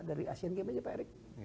dari asean games aja pak erick